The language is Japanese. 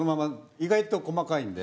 意外と細かいんで。